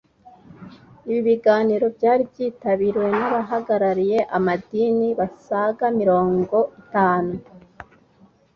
Ibi biganiro byari byitabiriwe n’abahagarariye amadini basaga mirongo itanu